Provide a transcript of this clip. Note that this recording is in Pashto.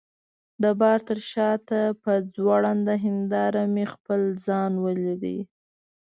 د بار تر شاته په ځوړند هنداره کي مې خپل ځان ولید.